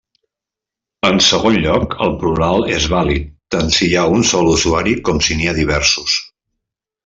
En segon lloc, el plural és vàlid, tant si hi ha un sol usuari com si n'hi ha diversos.